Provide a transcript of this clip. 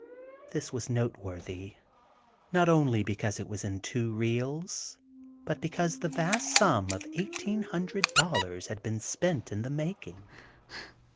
This was noteworthy, not only because it was in two reels, but because the vast sum of eighteen hundred dollars had been spent in the making."